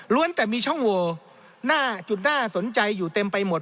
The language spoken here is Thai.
แต่มีช่องโวหน้าจุดน่าสนใจอยู่เต็มไปหมด